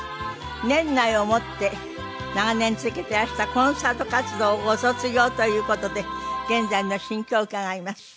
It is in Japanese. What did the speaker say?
年内をもって長年続けていらしたコンサート活動をご卒業という事で現在の心境を伺います。